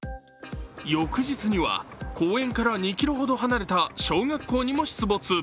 翌日には公園から２ｋｍほど離れた小学校にも出没。